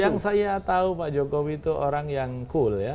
yang saya tahu pak jokowi itu orang yang cool ya